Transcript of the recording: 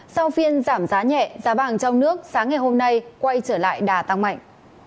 sau phiên giảm giá nhẹ giá bảng trong nước sáng ngày hôm nay quay trở lại đã tăng mạnh